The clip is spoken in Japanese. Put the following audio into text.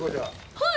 はい？